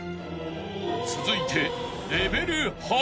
［続いて］